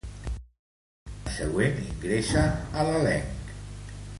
L'any següent, ingressa a l'elenc.